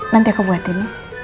nanti aku buatin ya